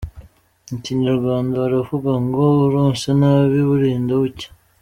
Mu Kinyarwanda baravuga ngo “Urose nabi burinda bucya”.